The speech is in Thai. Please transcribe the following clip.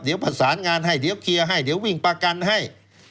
เดี๋ยวประสานงานให้เดี๋ยวเคลียร์ให้เดี๋ยววิ่งประกันให้